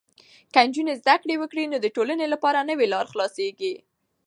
که نجونې زده کړه وکړي، نو د ټولنې لپاره نوې لارې خلاصېږي.